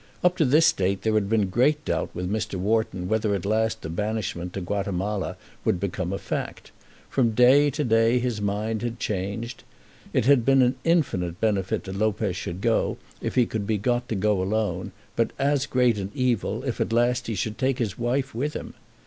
Up to this date there had been great doubt with Mr. Wharton whether at last the banishment to Guatemala would become a fact. From day to day his mind had changed. It had been an infinite benefit that Lopez should go, if he could be got to go alone, but as great an evil if at last he should take his wife with him.